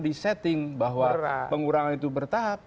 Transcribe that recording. di setting bahwa pengurangan itu bertahap